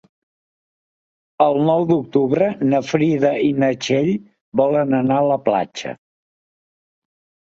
El nou d'octubre na Frida i na Txell volen anar a la platja.